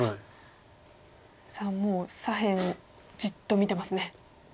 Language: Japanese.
さあもう左辺じっと見てますね。